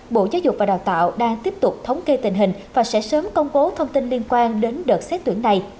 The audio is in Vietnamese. bộ giáo dục và đào tạo đang tiếp tục thống kê tình hình và sẽ sớm công bố thông tin liên quan đến đợt xét tuyển này